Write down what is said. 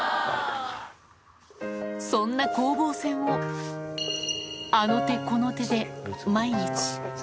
そんな攻防戦をあの手この手で毎日。